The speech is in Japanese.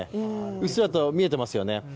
うっすらと見えていますよね。